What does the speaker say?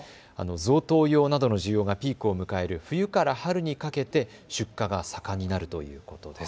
贈答用などの需要がピークを迎える冬から春にかけて出荷が盛んになるということです。